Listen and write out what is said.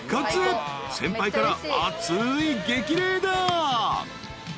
先輩から熱い激励だ］